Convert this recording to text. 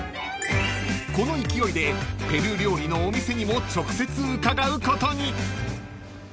［この勢いでペルー料理のお店にも直接伺うことに］